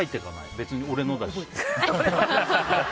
別に俺のだし。